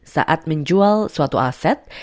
saat menjual suatu aset